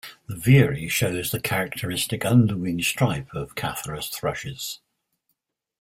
The veery shows the characteristic underwing stripe of "Catharus" thrushes.